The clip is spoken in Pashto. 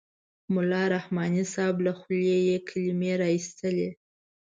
ملا رحماني صاحب له خولې یې کلمې را اېستلې.